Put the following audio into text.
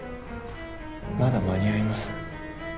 まだ間に合います。